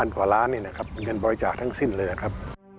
๒๐๐๐กว่าล้านนี่นะครับเงินบริจาคทั้งสิ้นเลยนะครับ